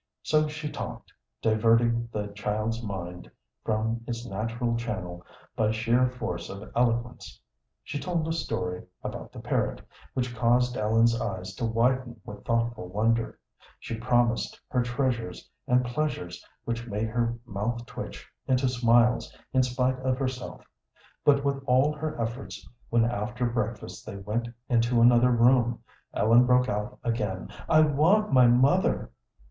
So she talked, diverting the child's mind from its natural channel by sheer force of eloquence. She told a story about the parrot, which caused Ellen's eyes to widen with thoughtful wonder; she promised her treasures and pleasures which made her mouth twitch into smiles in spite of herself; but with all her efforts, when after breakfast they went into another room, Ellen broke out again, "I want my mother!"